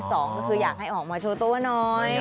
สองก็คืออยากให้ออกมาโชว์ตัวน้อย